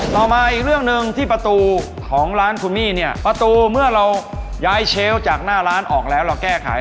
เรามาอีกเรื่องหนึ่งที่ประตูของร้านคุณมี่เนี่ยประตูเมื่อเราย้ายเชลล์จากหน้าร้านออกแล้วเราแก้ไข